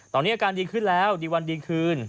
ตอนนี้อาการดีขึ้นแล้วดีวันดีคืน